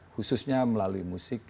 khususnya melalui musik